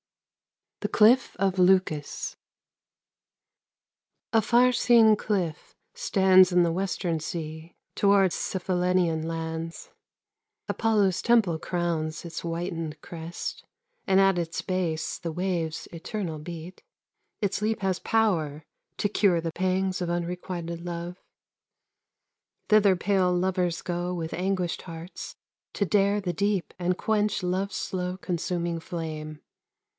THE CLIFF OF LEUCAS Afar seen cliff Stands in the western sea Toward Cephallenian lands. Apollo's temple crowns Its whitened crest, And at its base The waves eternal beat. Its leap has power To cure the pangs Of unrequited love. Thither pale lovers go With anguished hearts To dare the deep and quench Love's slow consuming flame.